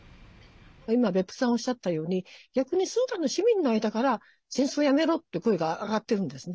今、別府さんがおっしゃったように逆にスーダンの市民の間から戦争をやめろって声が上がっているんですね。